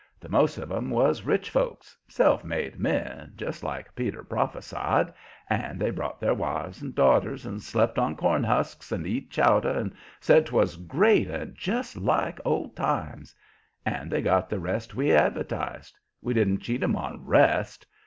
The most of 'em was rich folks self made men, just like Peter prophesied and they brought their wives and daughters and slept on cornhusks and eat chowder and said 'twas great and just like old times. And they got the rest we advertised; we didn't cheat 'em on REST.